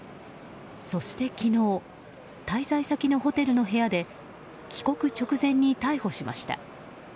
そして昨日滞在先のホテルの部屋で帰国直前に逮捕しました。